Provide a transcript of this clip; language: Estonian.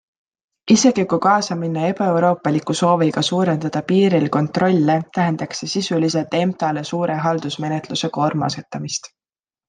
Isegi kui kaasa minna ebaeuroopaliku sooviga suurendada piiril kontrolle, tähendaks see sisuliselt EMTA-le suure haldusmenetluse koorma asetamist.